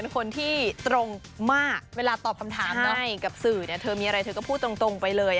กับสื่อเธอมีอะไรเธอก็พูดตรงไปเลย